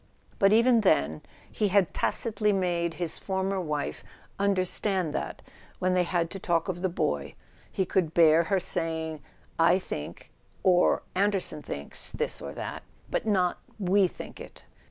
But even then he had tacitly made his former wife understand that, when they had to talk of the boy, he could bear her saying "I think," or "Anderson thinks," this or that, but not "we think it."